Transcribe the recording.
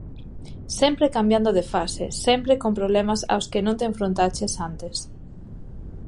Sempre cambiando de fase, sempre con problemas aos que non te enfrontaches antes.